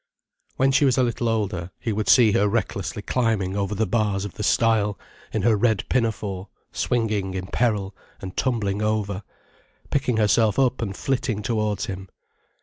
When she was a little older, he would see her recklessly climbing over the bars of the stile, in her red pinafore, swinging in peril and tumbling over, picking herself up and flitting towards him.